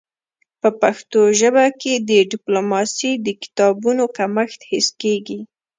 په پښتو ژبه کي د ډيپلوماسی د کتابونو کمښت حس کيږي.